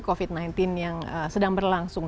covid sembilan belas yang sedang berlangsung